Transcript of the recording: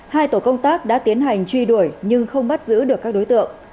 hai tổ công tác đã tiến hành truy đuổi nhưng không bắt giữ được các đối tượng